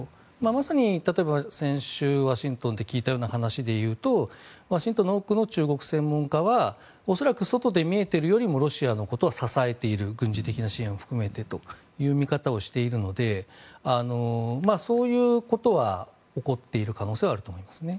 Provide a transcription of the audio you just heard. まさに例えば先週、ワシントンで聞いたような話で言うとワシントンの多くの中国専門家は恐らく外で見えているよりもロシアのことを支えている軍事的な支援を含めてという見方をしているのでそういうことは起こっている可能性はあると思いますね。